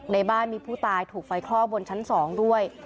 ในบ้านมีผู้ตายถูกไฟคลอกบนชั้น๒ด้วย